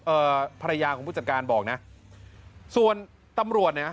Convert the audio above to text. ภรรยาของผู้จัดการบอกนะส่วนตำรวจเนี่ย